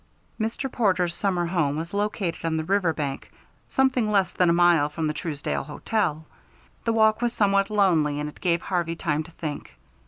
Mr. Porter's summer home was located on the river bank, something less than a mile from the Truesdale Hotel. The walk was somewhat lonely, and it gave Harvey time to think.